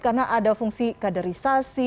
karena ada fungsi kaderisasi